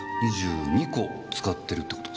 ２２個使ってるって事ですね。